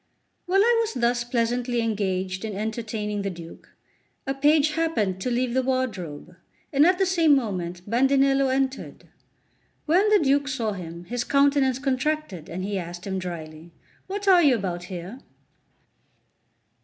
LXX WHILE I was thus pleasantly engaged in entertaining the Duke, a page happened to leave the wardrobe, and at the same moment Bandinello entered. When the Duke saw him, his countenance contracted, and he asked him drily: "What are you about here?"